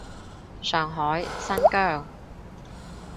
上海，新疆